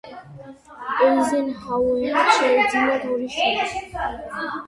ეიზენჰაუერებს შეეძინათ ორი შვილი.